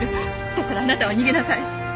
だからあなたは逃げなさい。